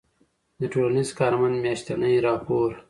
د ټـولنیـز کارمنــد میاشتنی راپــور